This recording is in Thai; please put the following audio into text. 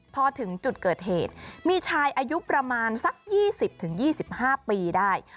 พอถึงจุดเกิดเหตุมีชายอายุประมาณสัก๒๐๒๕ปีได้